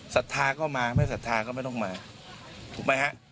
สัทธาก็มาไม่สัทธาก็ไม่ต้องมาถูกไหมครับ